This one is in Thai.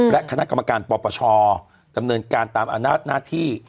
และคณะกรรมการปปชดำเนินการตามอำนาจหน้าที่